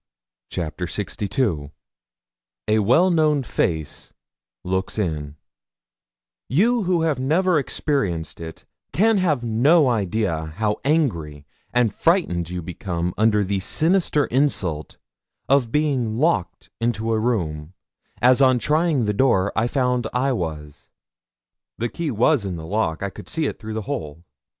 CHAPTER LXII A WELL KNOWN FACE LOOKS IN You who have never experienced it can have no idea how angry and frightened you become under the sinister insult of being locked into a room, as on trying the door I found I was. The key was in the lock; I could see it through the hole.